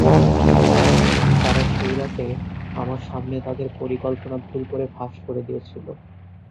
তারা সেই রাতে আমার সামনে তাদের পরিকল্পনা ভুল করে ফাঁস করে দিয়েছিল।